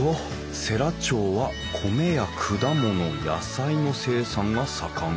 世羅町は米や果物野菜の生産が盛ん。